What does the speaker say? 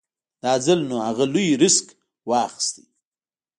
دا ځل نو اغه لوی ريسک واخېست.